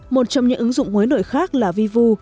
một trong những ứng dụng mới nổi khác là vivu